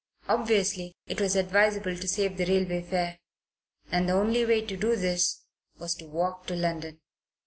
Obviously it was advisable to save the railway fare; and the only way to do this was to walk to London.